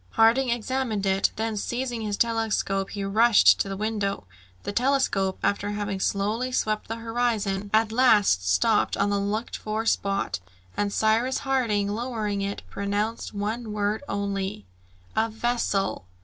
Harding examined it; then seizing his telescope he rushed to the window. The telescope, after having slowly swept the horizon, at last stopped on the looked for spot, and Cyrus Harding lowering it, pronounced one word only, "A vessel!"